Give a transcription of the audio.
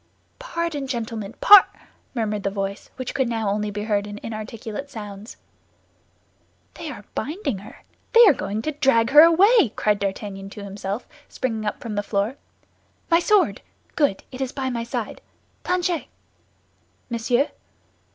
"Pardon, gentlemen—par—" murmured the voice, which could now only be heard in inarticulate sounds. "They are binding her; they are going to drag her away," cried D'Artagnan to himself, springing up from the floor. "My sword! Good, it is by my side! Planchet!" "Monsieur."